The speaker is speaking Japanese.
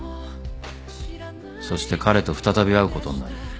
［そして彼と再び会うことになる］